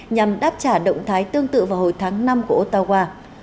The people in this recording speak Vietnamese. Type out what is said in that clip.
nhằm đáp trả động thái tương tự vào hồi tháng năm của ottawa